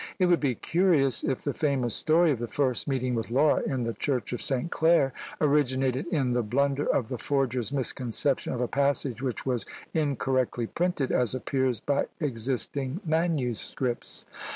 It would be curious if the famous story of the first meeting with Laura in the church of St. Clair originated in the blunder of the forger's misconception of a passage which was incorrectly printed, as appears by existing manuscripts!